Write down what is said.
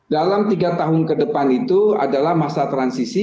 dalam tiga tahun ke depan itu adalah masa transisi